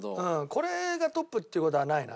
これがトップっていう事はないな。